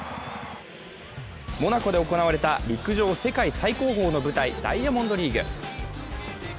モナコで行われた陸上世界最高峰の舞台、ダイヤモンドリーグ。